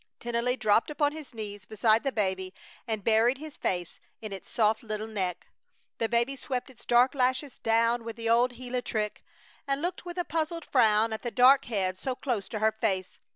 Tennelly dropped upon his knees beside the baby and buried his face in its soft little neck. The baby swept its dark lashes down with the old Gila trick, and looked with a puzzled frown at the dark head so close to her face.